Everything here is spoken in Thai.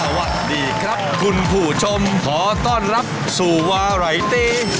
สวัสดีครับคุณผู้ชมขอต้อนรับสู่วาไหลตี